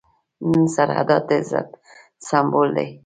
نن سرحدات د عزت سمبول دي.